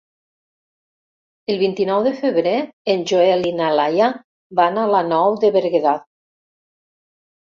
El vint-i-nou de febrer en Joel i na Laia van a la Nou de Berguedà.